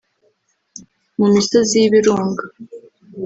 mu misozi y’ibirunga